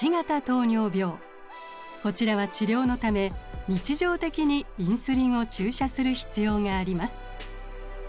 こちらは治療のため日常的にインスリンを注射する必要があります。